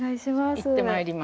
行ってまいります。